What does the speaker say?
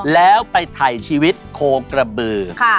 แล้วไปถ่ายชีวิตโคกระบือ